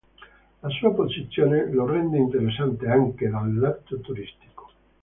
La sua posizione lo rende interessante anche dal lato turistico.